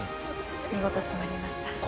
見事、決まりました。